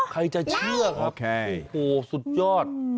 ใครจะเชื่อครับโอ้โหสุดยอด